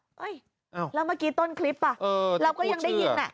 เฮ้ยแล้วเมื่อกี้ต้นคลิปป่ะเราก็ยังได้ยิน